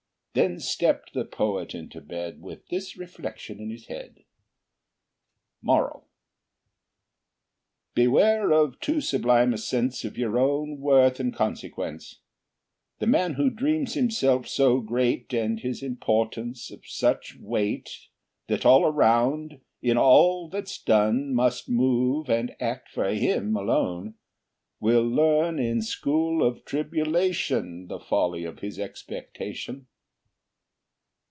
Then stepped the poet into bed With this reflection in his head: MORAL Beware of too sublime a sense Of your own worth and consequence. The man who dreams himself so great, And his importance of such weight, That all around in all that's done Must move and act for him alone, Will learn in school of tribulation The folly of his expectation.